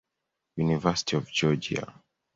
University of Georgia.